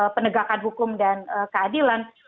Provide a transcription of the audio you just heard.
penegakan hukum dan keadilan